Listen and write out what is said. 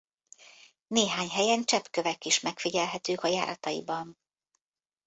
Néhány helyen cseppkövek is megfigyelhetők a járataiban.